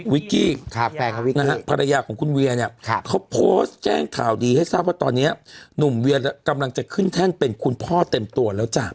วิกกี้นะฮะภรรยาของคุณเวียเนี่ยเขาโพสต์แจ้งข่าวดีให้ทราบว่าตอนนี้หนุ่มเวียกำลังจะขึ้นแท่นเป็นคุณพ่อเต็มตัวแล้วจ้ะ